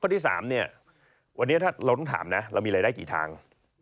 ข้อที่๓วันนี้ถ้าเราต้องถามนะเรามีอะไรได้กี่ทาง